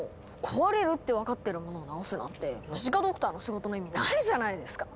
壊れるって分かってるものをなおすなんてムジカ・ドクターの仕事の意味ないじゃないですか。